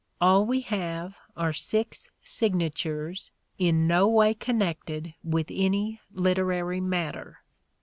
All we have are six signatures in no way connected with any literary matter.